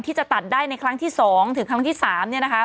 ที่จะตัดได้ในครั้งที่๒ถึงครั้งที่๓เนี่ยนะคะ